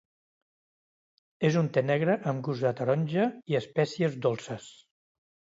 És un te negre amb gust a taronja i espècies dolces.